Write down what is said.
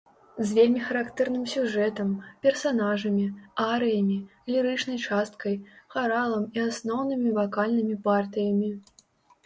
З вельмі характэрным сюжэтам, персанажамі, арыямі, лірычнай часткай, харалам і асноўнымі вакальнымі партыямі.